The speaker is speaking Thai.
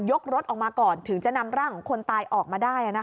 รถออกมาก่อนถึงจะนำร่างของคนตายออกมาได้